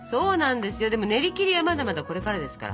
でもねりきりはまだまだこれからですから。